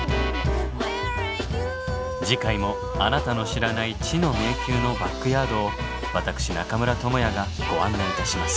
次回もあなたの知らない知の迷宮のバックヤードを私中村倫也がご案内いたします。